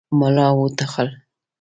ملا وټوخل.